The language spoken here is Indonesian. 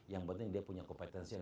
yang penting dia punya kompetensi yang